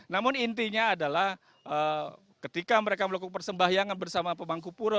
namun intinya adalah ketika mereka melakukan persembahyangan bersama pemangku pura